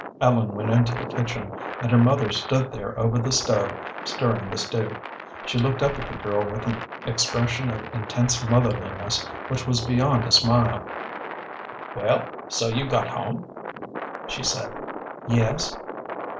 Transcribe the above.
Ellen went into the kitchen, and her mother stood there over the stove, stirring the stew. She looked up at the girl with an expression of intense motherliness which was beyond a smile. "Well, so you've got home?" she said. "Yes."